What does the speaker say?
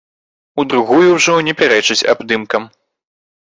У другую ўжо не пярэчыць абдымкам.